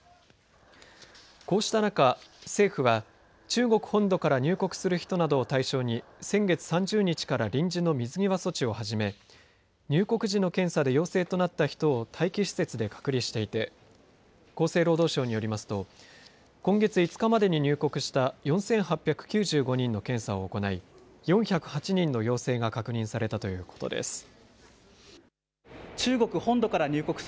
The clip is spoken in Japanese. こうした中政府は中国本土から入国する人などを対象に先月３０日から臨時の水際措置を始め入国時の検査で陽性となった人を待機施設で隔離していて厚生労働省によりますと今月５日までに入国した４８９５人の検査を行い４０８人の陽性が確認されたということです。